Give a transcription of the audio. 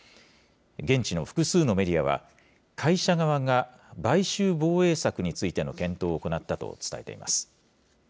現地の複数のメディアは、会社側が買収防衛策についての検討を行ったと伝えています。